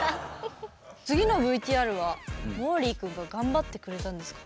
次のＶＴＲはもーりーくんが頑張ってくれたんですか？